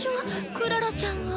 クララちゃんは。